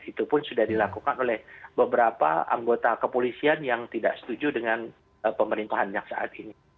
itu pun sudah dilakukan oleh beberapa anggota kepolisian yang tidak setuju dengan pemerintahannya saat ini